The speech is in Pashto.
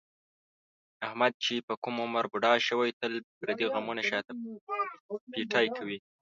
احمد چې په کوم عمر بوډا شوی، تل پردي غمونه شاته پېټی کوي.